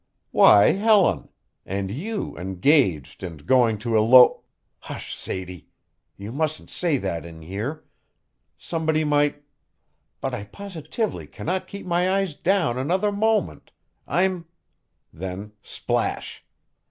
"Why, Helen! And you engaged and going to elo" "Hush, Sadie, you mustn't say that in here. Somebody might but I positively cannot keep my eyes down another moment. I'm" Then splash!